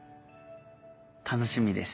楽しみです。